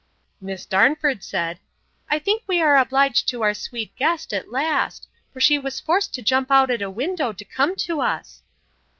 Miss Darnford said, I think we are obliged to our sweet guest, at last; for she was forced to jump out at a window to come to us.